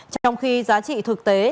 trong khi giá trị thực tế